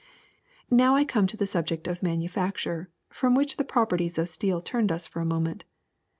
Now I come to the subject of manufacture, from which the properties of steel turned us for a moment.